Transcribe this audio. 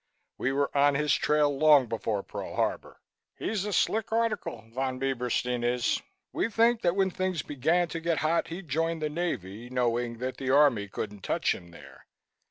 We were on his trail long before Pearl Harbor. He's a slick article, Von Bieberstein is. We think that when things began to get hot he joined the Navy, knowing that the Army couldn't touch him there.